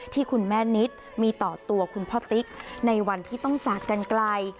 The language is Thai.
ที่คุณแม่นิดมีต่อตัวคุณพ่อติ๊กในวันที่ต้องจากกันไกล